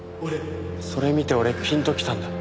それ見て俺ピンときたんだ。